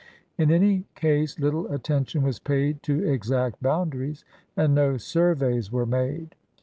In any case little attention was paid to exact boundaries, and no surveys were made.